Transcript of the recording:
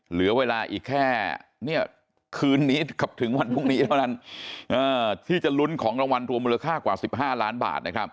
เหลือเวลาอีกแค่คืนนี้กับถึงวันพรุ่งนี้เท่านั้นที่จะลุ้นของรางวัลรวมมูลค่ากว่า๑๕ล้านบาทนะครับ